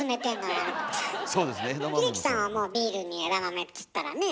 英樹さんはもうビールに枝豆っつったらね。